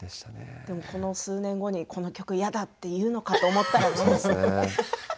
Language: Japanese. この数年後にこの曲嫌だって言うのかなと思ったらね。